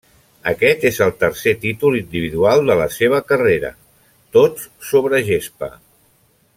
Aquest és el tercer títol individual de la seva carrera, tots sobre gespa.